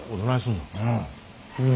うん。